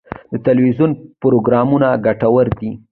د تلویزیون پروګرامونه ګټور دي.